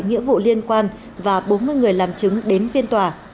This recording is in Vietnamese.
nghĩa vụ liên quan và bốn mươi người làm chứng đến phiên tòa